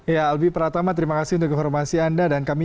ya albi pratama terima kasih untuk informasi anda